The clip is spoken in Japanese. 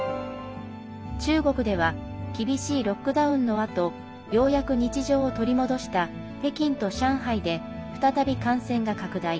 中国では厳しいロックダウンのあとようやく日常を取り戻した北京と上海で、再び感染が拡大。